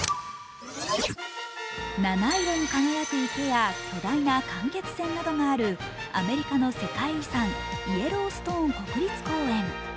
七色に輝く池や巨大な間欠泉などがあるアメリカの世界遺産イエローストーン国立公園。